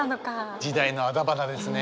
時代のあだ花ですね。